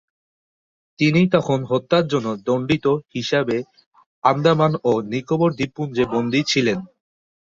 তিনি তখন হত্যার জন্য দণ্ডিত হিসাবে আন্দামান ও নিকোবর দ্বীপপুঞ্জে বন্দী ছিলেন।